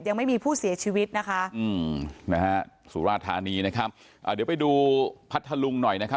ยังไม่มีผู้เสียชีวิตนะคะอืมนะฮะสุราธานีนะครับอ่าเดี๋ยวไปดูพัทธลุงหน่อยนะครับ